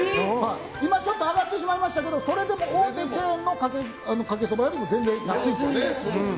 今ちょっと上がってしまいましたけどそれでも大手チェーンのかけそばよりも全然安いです。